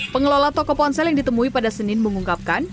pengelola toko ponsel yang ditemui pada senin mengungkapkan